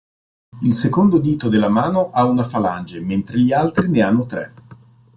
Il secondo dito della mano ha una falange, mentre gli altri ne hanno tre.